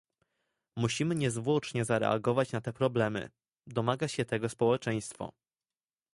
Musimy niezwłocznie zareagować na te problemy, domaga się tego społeczeństwo